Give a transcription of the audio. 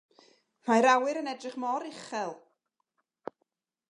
Mae'r awyr yn edrych mor uchel.